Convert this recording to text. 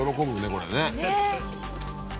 これね。